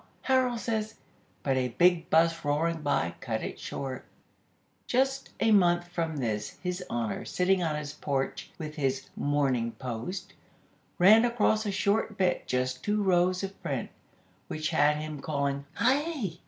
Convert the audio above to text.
Harold says " But a big bus, roaring by, cut it short. Just a month from this, His Honor, sitting on his porch with his "Morning Post" ran across a short bit, just two rows of print, which had him calling "Hi!"